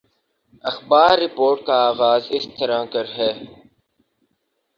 اخبار رپورٹ کا آغاز اس طرح کر ہے